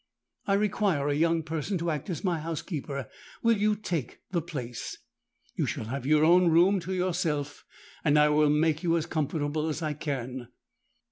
I require a young person to act as my housekeeper: will you take the place? You shall have your own room to yourself; and I will make you as comfortable as I can.'